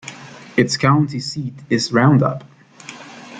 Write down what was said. Its county seat is Roundup.